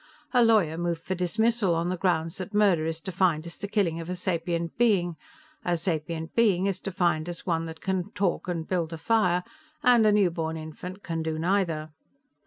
Her lawyer moved for dismissal on the grounds that murder is defined as the killing of a sapient being, a sapient being is defined as one that can talk and build a fire, and a newborn infant can do neither.